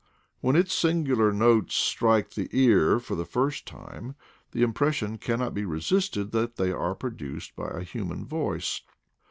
When its singular notes strike the ear for the first time the impression cannot be resisted that they are produced by a human voice.